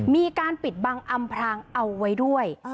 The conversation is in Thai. มีการปิดบังอำพรางเอาไว้ด้วย